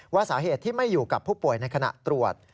สาเหตุที่ไม่อยู่กับผู้ป่วยในขณะตรวจ